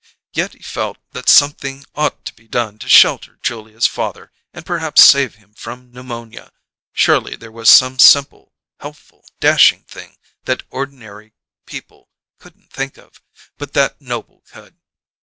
Yet he felt that something ought to be done to shelter Julia's father and perhaps save him from pneumonia; surely there was some simple, helpful, dashing thing that ordinary people couldn't think of, but that Noble could.